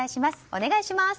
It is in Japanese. お願いします。